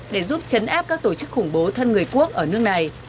để giúp chấn áp các tổ chức khủng bố thân người quốc ở nước này